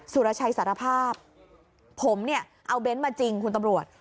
สุรชัยสารภาพผมเนี่ยเอาเบนท์มาจริงคุณตำรวจ